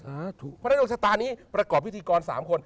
เพราะฉะนั้นดวงชะตานี้ประกอบพิธีกร๓คน